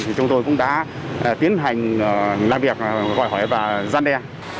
thì chúng tôi cũng đã tiến hành làm việc gọi hỏi và gian đe